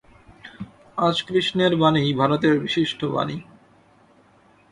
আজ কৃষ্ণের বাণীই ভারতের বিশিষ্ট বাণী।